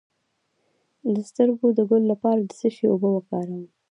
د سترګو د ګل لپاره د څه شي اوبه وکاروم؟